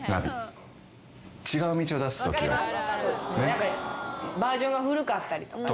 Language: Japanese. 何かバージョンが古かったりとかね。